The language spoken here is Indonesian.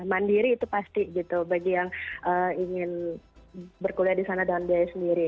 mandiri itu pasti gitu bagi yang ingin berkuliah di sana dalam biaya sendiri